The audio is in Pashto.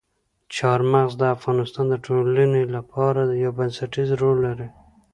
چار مغز د افغانستان د ټولنې لپاره یو بنسټيز رول لري.